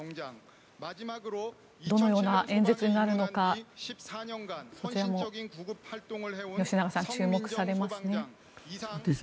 どのような演説になるのかそちらも吉永さん注目されますね。